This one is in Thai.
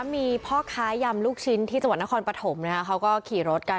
มีพ่อค้ายำลูกชิ้นที่จังหวัดนครปฐมเขาก็ขี่รถกัน